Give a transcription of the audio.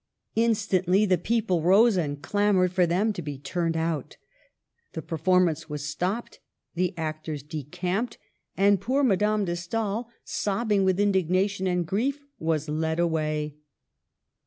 Instantly the people rose and clamored for them to be turned out. The performance was stopped, the actors decamped, and poor Madame de Stael, sobbing with indig nation and grief, was led away.